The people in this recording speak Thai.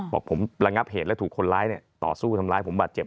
บอกผมระงับเหตุแล้วถูกคนร้ายเนี่ยต่อสู้ทำร้ายผมบาดเจ็บ